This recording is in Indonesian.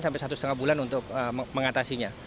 sampai satu setengah bulan untuk mengatasinya